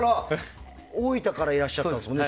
大分からいらっしゃったんですよね。